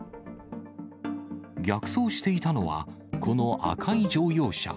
逆走していたのは、この赤い乗用車。